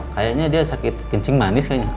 kayaknya dia sakit kencing manis kayaknya